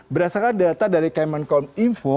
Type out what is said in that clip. berdasarkan data dari kemenkom info